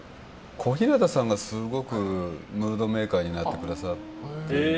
小日向さんがすごくムードメーカーになってくださって。